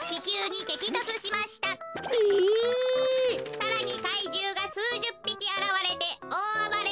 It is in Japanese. さらにかいじゅうがすうじゅっぴきあらわれておおあばれ。